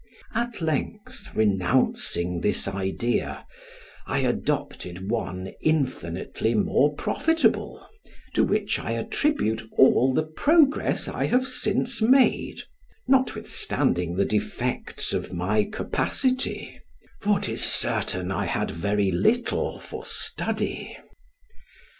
At length (renouncing this idea) I adopted one infinitely more profitable, to which I attribute all the progress I have since made, notwithstanding the defects of my capacity; for 'tis certain I had very little for study.